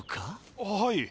はい。